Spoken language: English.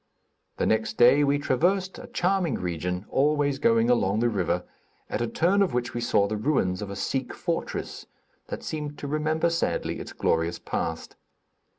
The next day we traversed a charming region, always going along the river at a turn of which we saw the ruins of a Sikh fortress, that seemed to remember sadly its glorious past.